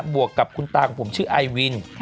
วกกับคุณตาของผมชื่อไอวิน